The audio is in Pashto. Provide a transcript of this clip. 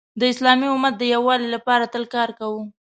د اسلامی امت د یووالي لپاره تل کار کوه .